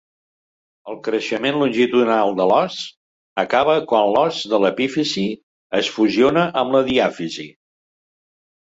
El creixement longitudinal de l'os acaba quan l'os de l'epífisi es fusiona amb la diàfisi.